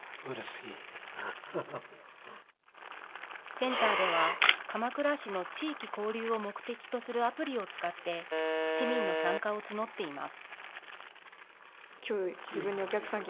センターでは、鎌倉市の地域交流を目的とするアプリを使って、市民の参加を募っています。